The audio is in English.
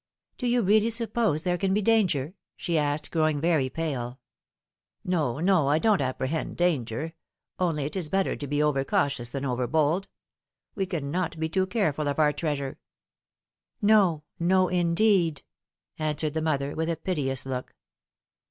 " Do you really suppose there can be danger ?" she asked, growing very pale. " No, no, I don't apprehend danger. Only it is better to be over cautious than over bold. We cannot be too careful of our treasure." " No, no, indeed," answered the mother, with a piteous look.